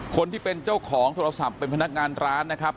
คนที่เป็นเจ้าของโทรศัพท์เป็นพนักงานร้านนะครับ